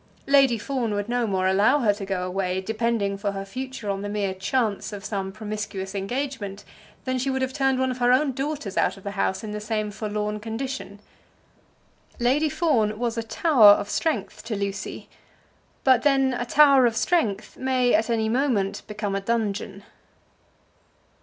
Lady Fawn would no more allow her to go away, depending for her future on the mere chance of some promiscuous engagement, than she would have turned one of her own daughters out of the house in the same forlorn condition. Lady Fawn was a tower of strength to Lucy. But then a tower of strength may at any moment become a dungeon.